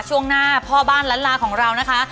ช่วงหน้าพ่อบ้านล้านลาของเรานะคะ